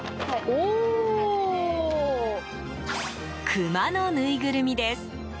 クマのぬいぐるみです。